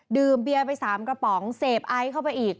ดื่มเบียร์ไป๓กระป๋องเสพไอซ์เข้าไปอีก